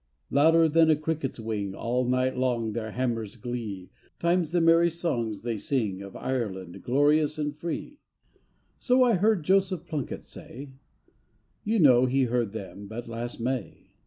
Louder than a cricket's wing All night long their hammer's glee Times the merry songs they sing Of Ireland glorious and free. So I heard Joseph Plunkett say, You know he heard them but last May.